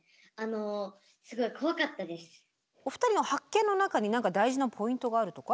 お二人の発見の中に何か大事なポイントがあるとか？